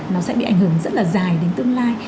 nó sẽ bị ảnh hưởng rất là dài đến tương lai